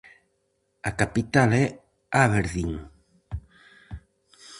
A capital é Aberdeen.